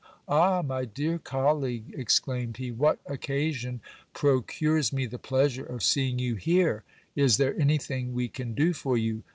Ah, my dear colleague ! exclaimed he, what occasion procures me the pleasure of seeing you here ! Is there anything we can do for you